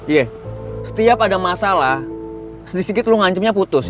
iya setiap ada masalah sedikit lo ngancemnya putus